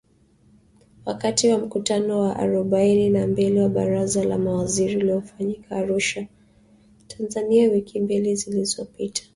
Wakati wa mkutano wa arobaini na mbili wa Baraza la Mawaziri uliofanyika Arusha, Tanzania wiki mbili zilizopita,